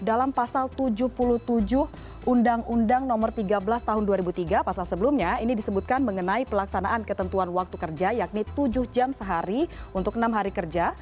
dalam pasal tujuh puluh tujuh undang undang nomor tiga belas tahun dua ribu tiga pasal sebelumnya ini disebutkan mengenai pelaksanaan ketentuan waktu kerja yakni tujuh jam sehari untuk enam hari kerja